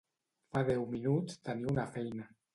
Fa deu minuts tenia una feina.